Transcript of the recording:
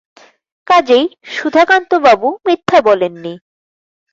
কাজেই সুধাকান্তবাবু মিথ্যা বলেন নি।